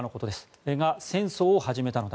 それが戦争を始めたのだ